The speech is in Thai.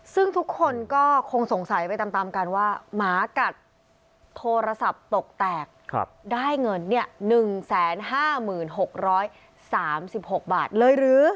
ซึ่งทุกคนก็คงสงสัยไปตามกันว่าหมากัดโทรศัพท์ตกแตกได้เงิน๑๕๖๓๖บาทเลยหรือ